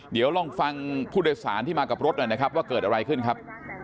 เดี๋ยวลองฟังผู้โดยสารที่มากับรถหน่อยนะครับว่าเกิดอะไรขึ้นครับ